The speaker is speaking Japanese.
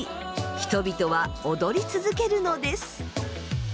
人々は踊り続けるのです。